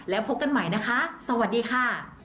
แล้วพบกันใหม่นะคะสวัสดีค่ะ